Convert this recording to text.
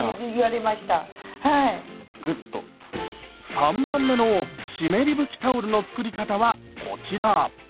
３番目の湿り拭きタオルの作り方はこちら。